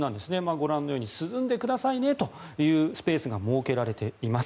ご覧のように涼んでくださいねというスペースが設けられています。